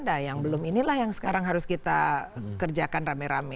dan yang belum inilah yang sekarang harus kita kerjakan rame rame